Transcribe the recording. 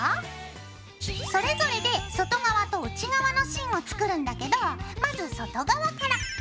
それぞれで外側と内側の芯を作るんだけどまず外側から。